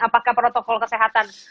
apakah protokol kesehatan